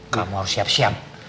kamu harus siap siap